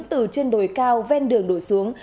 từ trên đồi cao ven đường đổi xuống